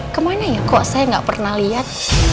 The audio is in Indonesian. kemana ya kok saya gak pernah lihat